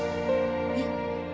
えっ？